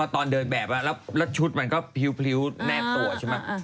ตอนเดินแบบแล้วชุดมันก็พริ้วแนบตัวใช่ไหม